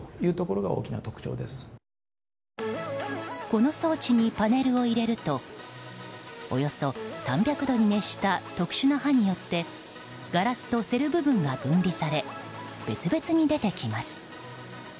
この装置にパネルを入れるとおよそ３００度に熱した特殊な刃によってガラスとセル部分が分離され別々に出てきます。